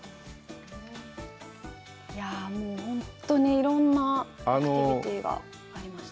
いやぁ、もう本当にいろんなアクティビティがありました。